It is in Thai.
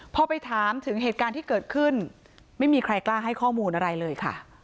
พอไปถามถึงเหตุการณ์ที่เกิดขึ้นไม่มีใครกล้าให้ข้อมูลอะไรเลยค่ะ